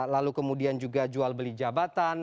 lalu kemudian juga jual beli jabatan